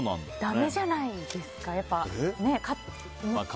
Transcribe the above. ダメじゃないですか？